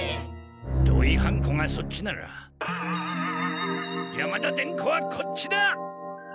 土井半子がそっちなら山田伝子はこっちだ！